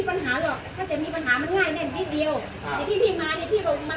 อ๋อกว่ากลักปิดกวะยิบลงมาเลยยิงเลยอ่ะ